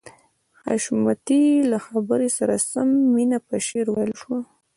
د حشمتي له خبرې سره سم مينه په شعر ويلو شوه.